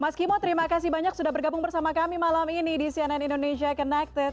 mas kimo terima kasih banyak sudah bergabung bersama kami malam ini di cnn indonesia connected